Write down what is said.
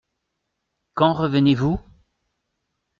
Quand revenez-vous ?